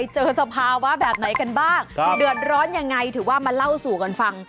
สภาวะแบบไหนกันบ้างเดือดร้อนยังไงถือว่ามาเล่าสู่กันฟัง